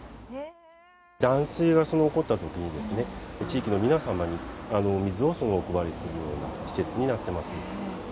断水が起こったときに、地域の皆様に水をお配りするような施設になってます。